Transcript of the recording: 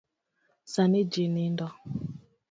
Sani ji nindo.